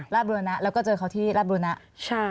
ราบรุณะแล้วก็เจอเขาที่ราบรุณะใช่